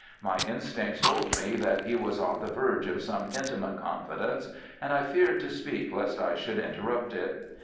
My instincts told me that he was on the verge of some intimate confidence, and I feared to speak lest I should interrupt it.